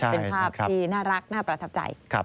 เป็นภาพที่น่ารักน่าประทับใจ